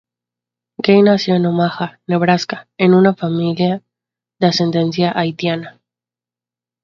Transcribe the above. Gay nació en Omaha, Nebraska, de una familia de ascendencia haitiana.